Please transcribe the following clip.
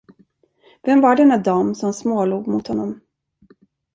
Vem var denna dam, som smålog mot honom?